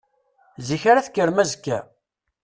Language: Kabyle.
Zik ara tekkrem azekka?